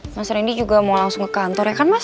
mas randy juga mau langsung ke kantor ya kan mas